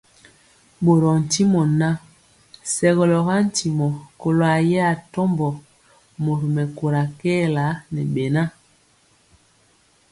Ɓorɔɔ ntimɔ ŋan, segɔlɔ ga ntimɔ kɔlo ayɛ atɔmbɔ mori mɛkóra kɛɛla ŋɛ beŋa.